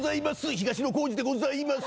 東野幸治でございます。